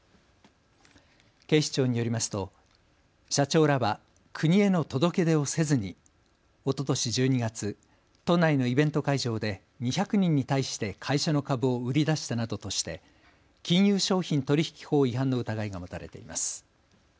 警視庁によりますと、社長らは国への届け出をせずにおととし１２月、都内のイベント会場で２００人に対して会社の株を売り出したなどとして、金融商品取引法違反の疑いが持たれています。